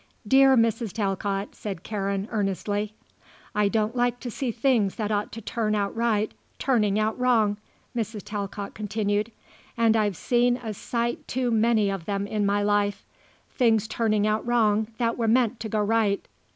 "Dear Mrs. Talcott," said Karen, earnestly. "I don't like to see things that ought to turn out right turning out wrong," Mrs. Talcott continued, "and I've seen a sight too many of them in my life. Things turning out wrong that were meant to go right.